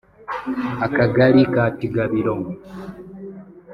Akagari ka Kigabiro